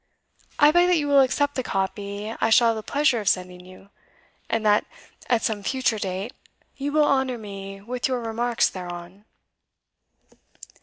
I beg that you will accept the copy I shall have the pleasure of sending you, and that, at some future date, you will honour me with your remarks thereon.